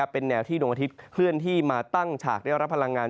เป็นแนวที่ดวงอาทิตย์เคลื่อนที่มาตั้งฉากได้รับพลังงาน